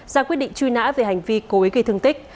ra quyết định truy nã về hành vi cố ý gây thương tích